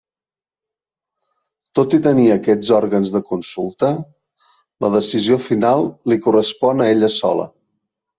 Tot i tenir aquests òrgans de consulta, la decisió final li correspon a ella sola.